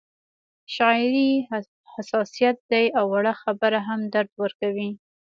شاعري حساسیت دی او وړه خبره هم درد ورکوي